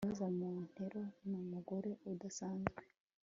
Rosa Montero numugore udasanzwe